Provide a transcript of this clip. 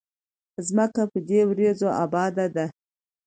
ځمکه په دې وريځو اباده ده